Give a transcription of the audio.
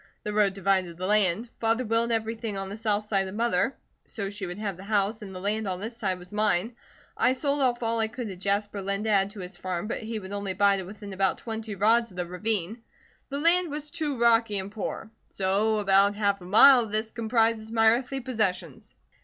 The road divided the land. Father willed everything on the south side to Mother, so she would have the house, and the land on this side was mine. I sold off all I could to Jasper Linn to add to his farm, but he would only buy to within about twenty rods of the ravine. The land was too rocky and poor. So about half a mile of this comprises my earthly possessions."